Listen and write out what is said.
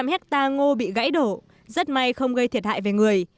hai trăm linh hectare ngô bị gãy đổ rất may không gây thiệt hại về người